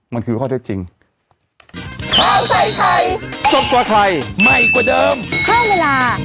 มันคือข้อเที่ยวจริง